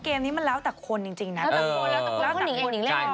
เกมนี่มันเล่าแต่คนแล้วแต่คนเล่าแต่คน